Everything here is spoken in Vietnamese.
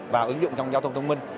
vào ứng dụng trong giao thông thông minh